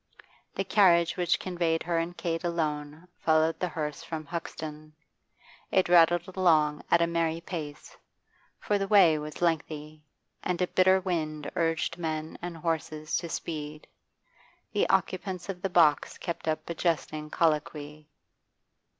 The carriage which conveyed her and Kate alone followed the hearse from Hoxton; it rattled along at a merry pace, for the way was lengthy, and a bitter wind urged men and horses to speed. The occupants of the box kept up a jesting colloquy.